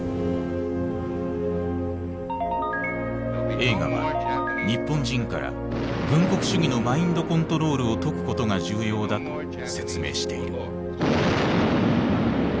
映画は日本人から軍国主義のマインドコントロールを解くことが重要だと説明している。